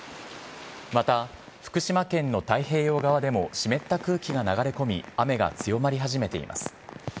また福島県の太平洋側でも湿った空気が流れ込み、雨が強まり始めています。